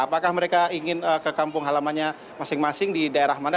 apakah mereka ingin ke kampung halamannya masing masing di daerah mana